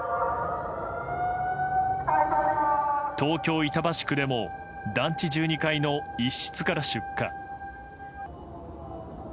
東京・板橋区でも団地１２階の一室から出火。